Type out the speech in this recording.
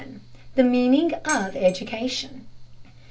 THE MEANING OF EDUCATION.